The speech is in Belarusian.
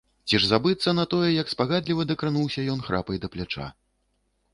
Ці ж забыцца на тое, як спагадліва дакрануўся ён храпай да пляча?!